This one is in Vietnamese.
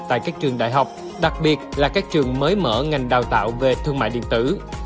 tại các trường đại học đặc biệt là các trường mới mở ngành đào tạo về thương mại điện tử